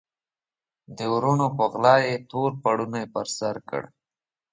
د وروڼو په غلا یې تور پوړنی پر سر کړ.